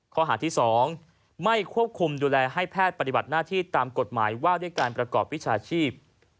ข้อหาที่๒ไม่ควบคุมดูแลให้แพทย์ปฏิบัติหน้าที่ตามกฎหมายว่าด้วยการประกอบวิชาชีพ